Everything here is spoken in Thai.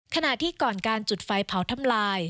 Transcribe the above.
ขณะที่ก่อนการจุดไฟเผาทำลาย